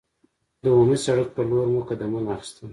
د عمومي سړک پر لور مو قدمونه اخیستل.